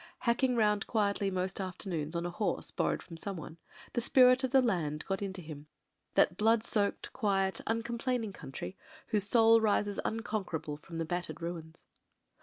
Hacking round quietly most afternoons on a horse borrowed from someone, the spirit of the land got into him, that blood soaked, quiet, uncomplaining country, whose soul rises unconquerable from the battered ruins.